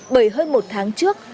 bởi hơn một tháng trước